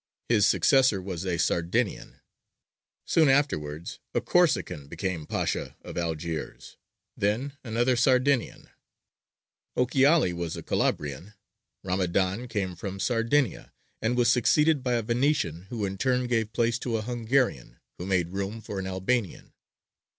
His successor was a Sardinian; soon afterwards a Corsican became pasha of Algiers, then another Sardinian; Ochiali was a Calabrian; Ramadān came from Sardinia, and was succeeded by a Venetian, who in turn gave place to a Hungarian, who made room for an Albanian.